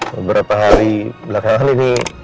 beberapa hari belakangan ini